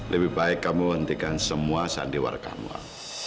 lebih baik kamu hentikan semua sandiwara kamu al